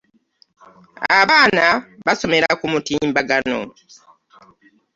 Abaana basomera ku mutimba gano.